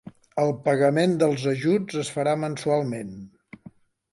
El pagament dels ajuts es farà mensualment.